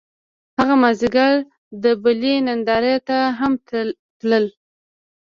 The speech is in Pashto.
هغه مازیګر د بلۍ نندارې ته هم تللو